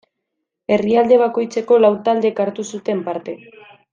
Herrialde bakoitzeko lau taldek hartu zuten parte.